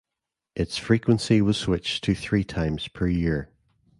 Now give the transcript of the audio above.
Its frequency was switched to three times per year.